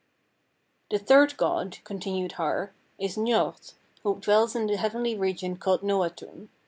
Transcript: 24. "The third god," continued Har, "is Njord, who dwells in the heavenly region called Noatun.